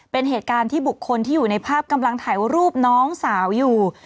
เป็นเหตุการณ์ที่บุคคลที่อยู่ในภาพกำลังถ่ายรูปน้องสาวอยู่